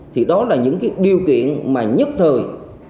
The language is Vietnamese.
thì đó là những điều kiện nhất thời